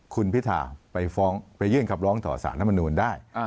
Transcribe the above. คุณพิทาไปยื่นขับร้องต่อสารรัฐมนูนได้